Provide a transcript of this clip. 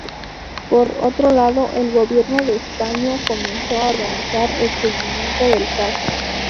Por otro lado, el Gobierno de España comenzó a organizar el seguimiento del caso.